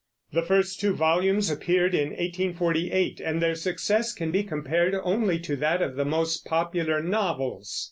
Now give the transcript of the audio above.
The first two volumes appeared in 1848, and their success can be compared only to that of the most popular novels.